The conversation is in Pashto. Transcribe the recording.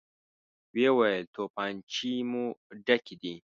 ويې ويل: توپانچې مو ډکې دي؟